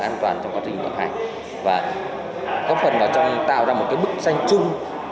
an toàn trong quá trình vận hành và góp phần vào trong tạo ra một cái bức xanh chung